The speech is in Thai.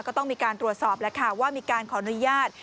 ก็ต้องมีการตรวจสอบแล้วค่ะว่ามีการขออนุญาต